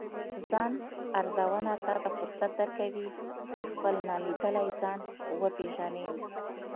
ځان ارزونه تاته فرصت درکوي، چې خپل نالیدلی ځان وپیژنې